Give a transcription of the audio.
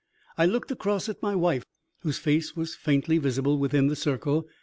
I looked across at my wife, whose face was faintly visible within the circle.